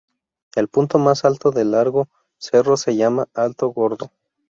El punto más alto del largo cerro se llama Alto Gordo.